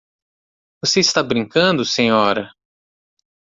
Você está brincando, senhora!